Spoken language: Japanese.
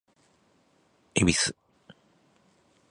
恵比寿